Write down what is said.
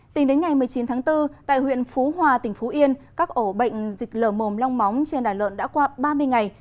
tính đến ngày một mươi chín tháng bốn tại huyện phú hòa tỉnh phú yên các ổ bệnh dịch lờ mồm long móng trên đàn lợn đã qua ba mươi ngày